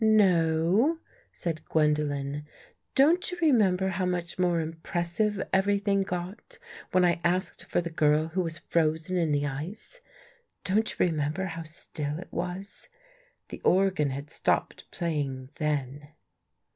" No," said Gwendolen, " don't you remember how much more impressive everything got when I asked for the girl who was frozen in the ice? Don't you remember how still it was? The organ had stopped playing then."